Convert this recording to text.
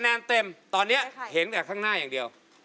แนนเต็มตอนนี้เห็นแต่ข้างหน้าอย่างเดียว